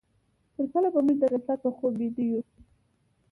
تر کله به موږ د غفلت په خوب ويده يو؟